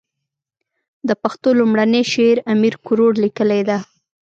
د پښتو لومړنی شعر امير کروړ ليکلی ده.